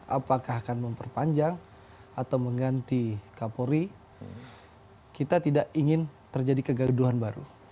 apakah akan memperpanjang atau mengganti kapolri kita tidak ingin terjadi kegaduhan baru